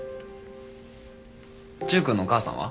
チュウ君のお母さんは？